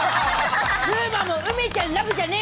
風磨も梅ちゃんラブじゃねえ。